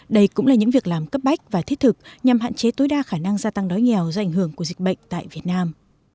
đây cũng là những việc làm cấp bách và thiết thực nhằm hạn chế tối đa khả năng gia tăng đói nghèo do ảnh hưởng của dịch bệnh tại việt nam